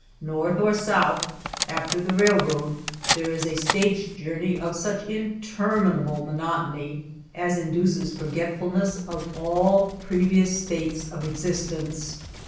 North or south, after the railroad there is a stage journey of such interminable monotony as induces forgetfulness of all previous states of existence.